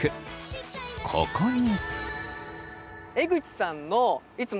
ここに。